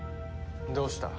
どうした？